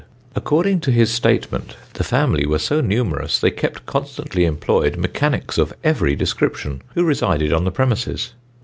According to his statement, the family were so numerous, they kept constantly employed mechanics of every description, who resided on the premises.